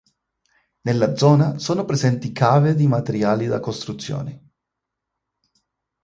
Nella zona sono presenti cave di materiali da costruzione.